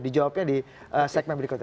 dijawabnya di segmen berikutnya